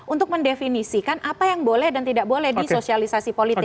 untuk mendefinisikan apa yang boleh dan tidak boleh di sosialisasi politik